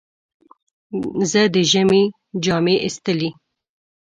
زه د ژمي جامې ایستلې.